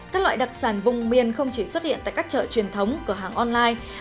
các loại đặc sản vùng miền không chỉ xuất hiện tại các chợ truyền thống cửa hàng online